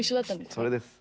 それです！